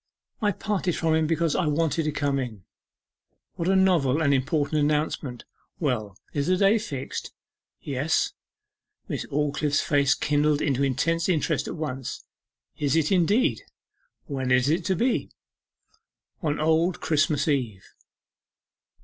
'I parted from him because I wanted to come in.' 'What a novel and important announcement! Well, is the day fixed?' 'Yes.' Miss Aldclyffe's face kindled into intense interest at once. 'Is it indeed? When is it to be?' 'On Old Christmas Eve.